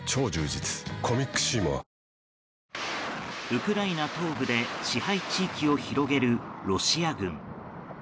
ウクライナ東部で支配地域を広げるロシア軍。